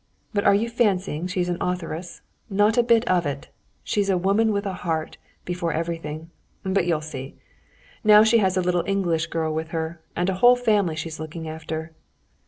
But are you fancying she's an authoress?—not a bit of it. She's a woman with a heart, before everything, but you'll see. Now she has a little English girl with her, and a whole family she's looking after."